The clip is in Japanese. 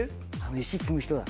石積む人だ。